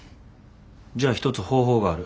じゃあ一つ方法がある。